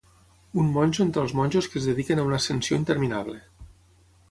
Un monjo entre els monjos que es dediquen a una ascensió interminable.